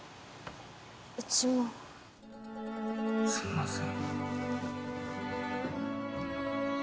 うちもすんません